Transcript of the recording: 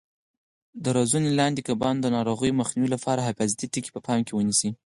د روزنې لاندې کبانو د ناروغیو مخنیوي لپاره حفاظتي ټکي په پام کې ونیسئ.